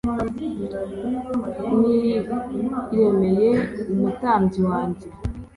niremeye umutambyi wanjye